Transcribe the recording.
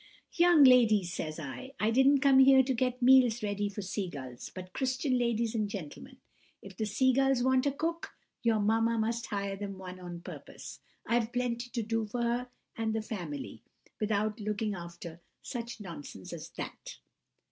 "'Young ladies,' says I, 'I didn't come here to get meals ready for sea gulls, but Christian ladies and gentlemen. If the sea gulls want a cook, your mamma must hire them one on purpose. I've plenty to do for her and the family, without looking after such nonsense as that!